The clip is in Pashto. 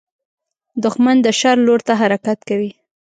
دښمن د شر لور ته حرکت کوي